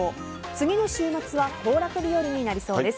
次の週末は行楽日和になりそうです。